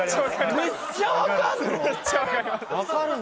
めっちゃ分かんの？